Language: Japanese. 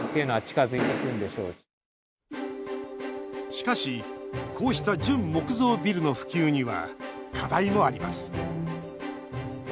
しかしこうした純木造ビルの普及には課題もあります。